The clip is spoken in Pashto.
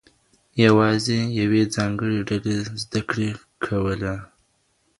يوازې يوې ځانګړې ډلې زده کړې کولې.